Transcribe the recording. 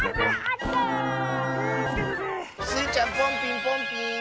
スイちゃんポンピンポンピーン！